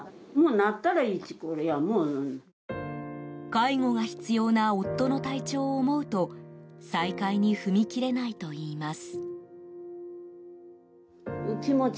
介護が必要な夫の体調を思うと再開に踏み切れないといいます。